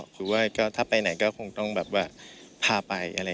หรือถ้าไปไหนก็คงต้องพาไป